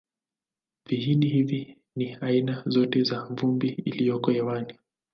Viini hivi ni aina zote za vumbi iliyoko hewani.